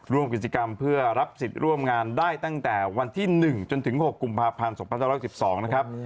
ร่วมกิจกรรมเพื่อรับสิทธิ์ร่วมงานได้ตั้งแต่วันที่๑จนถึง๖กุมภาพันธ์๒๙๑๒นะครับ